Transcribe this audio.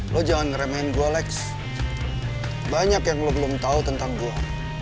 lo jangan remehin gue lex banyak yang lo belum tahu tentang gue